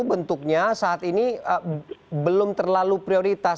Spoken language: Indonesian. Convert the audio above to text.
bentuknya saat ini belum terlalu prioritas